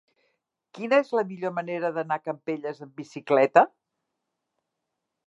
Quina és la millor manera d'anar a Campelles amb bicicleta?